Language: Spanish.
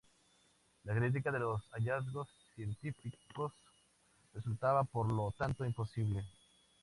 La crítica de los hallazgos científicos resultaba por lo tanto imposible.